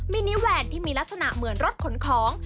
มินิแวนที่มีลักษณะเหมือนรถขนของ